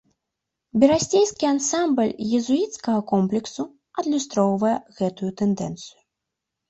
Берасцейскі ансамбль езуіцкага комплексу адлюстроўвае гэтую тэндэнцыю.